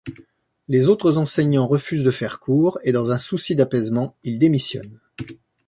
Les autres enseignants refusent de faire cours et, dans un souci d’apaisement, il démissionne.